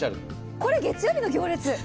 これ、月曜日の行列！